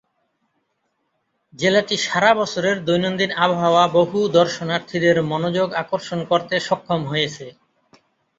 জেলাটি সারা বছরের দৈনন্দিন আবহাওয়া বহু দর্শনার্থীদের মনোযোগ আকর্ষণ করতে সক্ষম হয়েছে।